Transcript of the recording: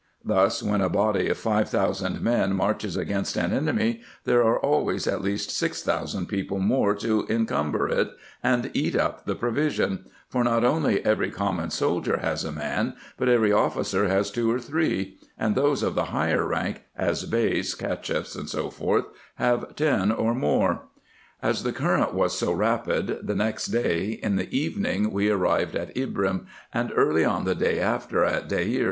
Thus, when a body of five thousand men marches against an enemy, there are always at least six thousand people more to encumber it, and eat up the provision : for not only every common soldier has a man, but every officer has two or three ; and those of the higher rank, as Beys, Cacheffs, &c. have ten or more. As the current was so rapid, the next day, in the evening, we arrived at Ibrim, and early on the day after at Deir.